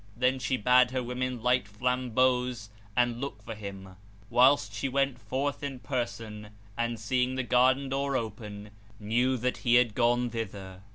Then she bade her women light flambeaux and look for him, whilst she went forth in person and, seeing the garden door open, knew that he had gone thither.